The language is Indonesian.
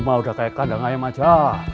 mah udah kayak kandang ayam aja